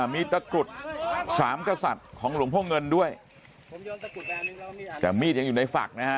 มีตะกรุดสามกษัตริย์ของหลวงพ่อเงินด้วยแต่มีดยังอยู่ในฝักนะฮะ